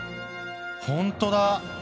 ほんとだ。